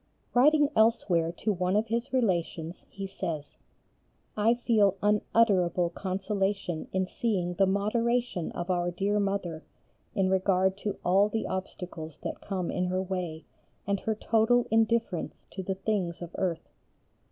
Writing elsewhere to one of his relations he says: "I feel unutterable consolation in seeing the moderation of our dear Mother in regard to all the obstacles that come in her way and her total indifference to the things of earth.